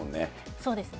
そうですね。